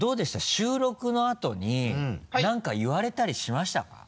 収録のあとに何か言われたりしましたか？